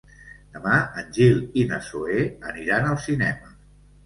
Demà en Gil i na Zoè aniran al cinema.